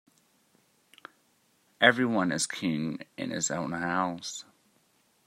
Every one is king in his own house.